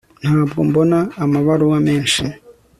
ntabwo mbona amabaruwa menshi